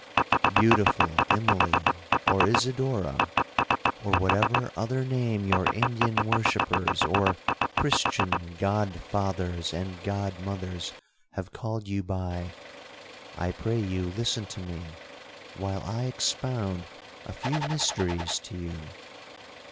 '—'Beautiful Immalee, or Isidora, or whatever other name your Indian worshippers, or Christian god fathers and god mothers, have called you by, I pray you listen to me, while I expound a few mysteries to you.'